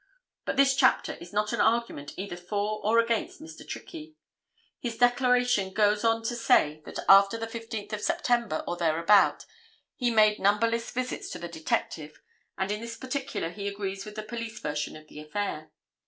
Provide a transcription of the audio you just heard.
But this chapter is not an argument either for or against Mr. Trickey. His declaration goes on to say that after the 15th of September, or thereabout, he made numberless visits to the detective, and in this particular he agrees with the police version of the affair.